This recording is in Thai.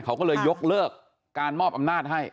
เขาก็เลยยกเลิกการมอบอำนาจให้